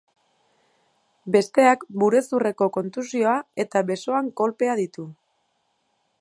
Besteak burezurreko kontusioa eta besoan kolpea ditu.